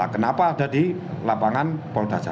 kenapa ada di lapangan polda jati